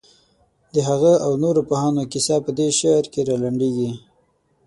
د هغه او نورو پوهانو کیسه په دې شعر کې رالنډېږي.